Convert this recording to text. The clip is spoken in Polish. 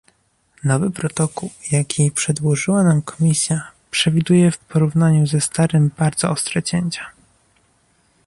Nowy protokół, jaki przedłożyła nam Komisja, przewiduje w porównaniu ze starym bardzo ostre cięcia